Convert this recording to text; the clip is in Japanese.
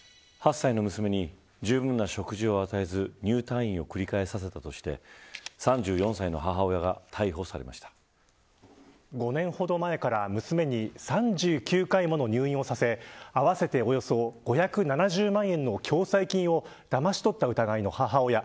８歳の娘にじゅうぶんな食事を与えず入退院を繰り返させたとして５年ほど前から娘に３９回もの入院をさせ合わせておよそ５７０万円の共済金をだまし取った疑いの母親。